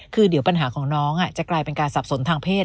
คือเดี๋ยวปัญหาของน้องจะกลายเป็นการสับสนทางเพศ